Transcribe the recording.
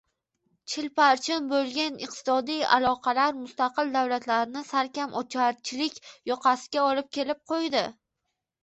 — chilparchin bo‘lgan iqtisodiy aloqalar mustaqil davlatlarni salkam ocharchilik yoqasiga olib kelib qo‘ydi.